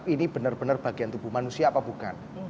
ini benar benar bagian tubuh manusia apa bukan